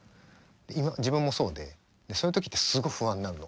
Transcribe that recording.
今自分もそうでそういう時ってすごい不安になるの。